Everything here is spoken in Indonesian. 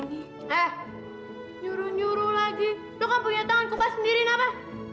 nyuruh nyuruh lagi lo kan punya tangan kopas sendiri kenapa